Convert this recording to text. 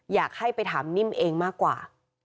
อยากให้ไปถามนิ่มเองมากกว่า